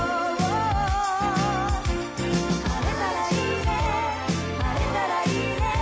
「晴れたらいいね晴れたらいいね」